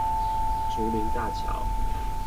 竹林大橋